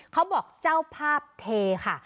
เขาบอกเจ้าภาพเทค่ะ